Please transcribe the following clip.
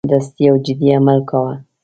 سمدستي او جدي عمل کاوه.